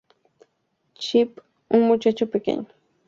Chip, un muchacho pequeño, se esconde y logra llegar a la Isla Tracy.